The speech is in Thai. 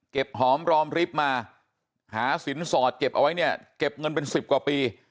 หอมรอมริบมาหาสินสอดเก็บเอาไว้เนี่ยเก็บเงินเป็นสิบกว่าปี